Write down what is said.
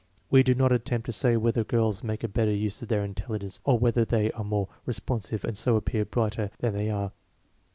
We do not attempt to say whether girls make a better use of their intelligence or whether they are more responsive and so appear brighter than they are.